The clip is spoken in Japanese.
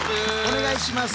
お願いします。